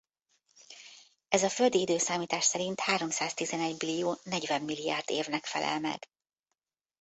Ez a földi időszámítás szerint háromszáztizenegybillió-negyvenmilliárd évnek felel meg.